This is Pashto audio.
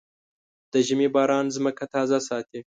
د ژمي باران ځمکه تازه ساتي.